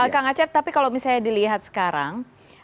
kak ngacek tapi kalau misalnya dilihat sekarang